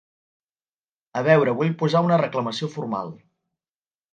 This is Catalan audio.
A veure vull posar una reclamació formal.